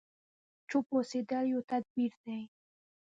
چوپ اوسېدل يو تدبير دی.